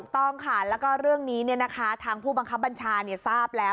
ถูกต้องค่ะแล้วก็เรื่องนี้เนี่ยนะคะทางผู้บังคับบัญชาเนี่ยทราบแล้ว